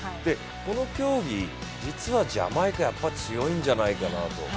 この競技、実はジャマイカ、強いんじゃないかなと。